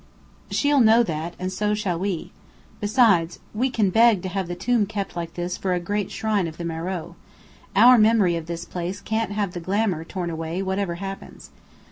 She'll know that, and so shall we. Besides, we can beg to have the tomb kept like this for the great shrine of Meröe. Our memory of this place can't have the glamour torn away whatever happens.